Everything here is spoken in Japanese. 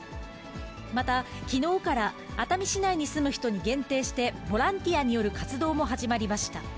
また、きのうから熱海市内に住む人に限定して、ボランティアによる活動も始まりました。